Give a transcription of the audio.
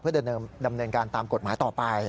เพื่อดำเนินการตามกฎหมายต่อไป